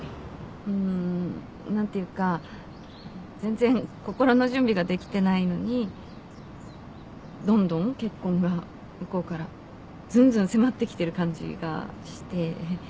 うん何ていうか全然心の準備ができてないのにどんどん結婚が向こうからずんずん迫ってきてる感じがして。